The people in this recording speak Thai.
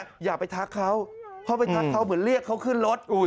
อย่าไปทักเขาเพราะไปทักเขาเหมือนเรียกเขาขึ้นรถ